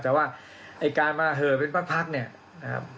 แต่ว่าไอ้การมาเหอะเป็นพักเนี่ยนะครับ